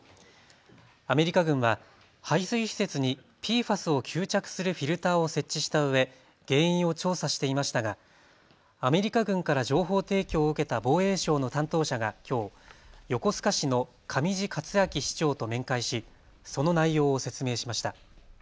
アメリカ軍は排水施設にＰＦＡＳを吸着するフィルターを設置したうえ原因を調査していましたがアメリカ軍から情報提供を受けた防衛省の担当者がきょう、横須賀市の上地克明市長と面会しその内容を説明しました。